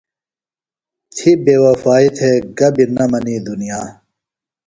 تھی بے وفائی تھےۡ گہ بیۡ نہ منی دُنیا۔